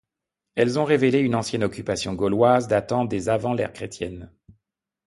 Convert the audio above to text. Elles ont révélé une ancienne occupation gauloise, datant des avant l’ère chrétienne.